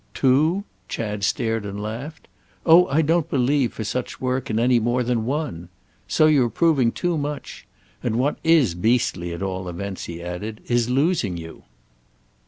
"'Two'?"—Chad stared and laughed. "Oh I don't believe, for such work, in any more than one! So you're proving too much. And what is beastly, at all events," he added, "is losing you."